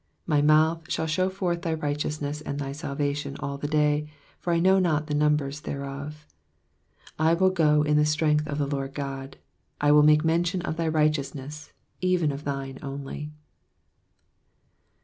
15 My mouth shall shew forth thy lighteousness and thy salvation all the day ; for I know not the numbers thereof. 16 I will go in the strength of the Lord GOD : I will make mention of thy righteousness, even of thine only.